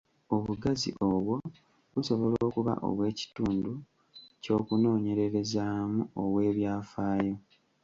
Obugazi obwo busobola okuba obw’ekitundu ky’okunoonyererezaamu, obw’ebyafaayo.